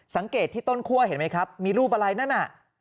สังเกตที่ต้นคั่วเห็นไหมครับมีรูปอะไรนั่นน่ะ